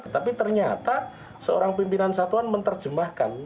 tapi ternyata seorang pimpinan satuan menerjemahkan